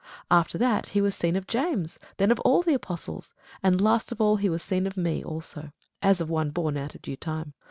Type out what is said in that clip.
After that, he was seen of James; then of all the apostles. And last of all he was seen of me also, as of one born out of due time.